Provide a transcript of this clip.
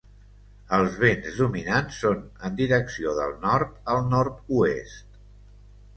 Els vents dominants són en direcció del nord al nord-oest.